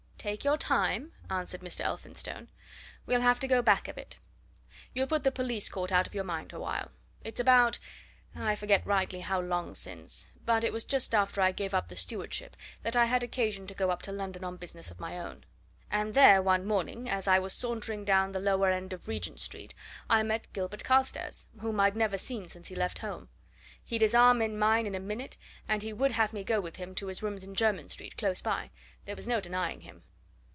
"Take your time!" answered Mr. Elphinstone. "We'll have to go back a bit: you'll put the police court out of your mind a while. It's about I forget rightly how long since, but it was just after I gave up the stewardship that I had occasion to go up to London on business of my own. And there, one morning, as I was sauntering down the lower end of Regent Street, I met Gilbert Carstairs, whom I'd never seen since he left home. He'd his arm in mine in a minute, and he would have me go with him to his rooms in Jermyn Street, close by there was no denying him.